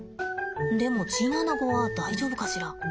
でもチンアナゴは大丈夫かしら？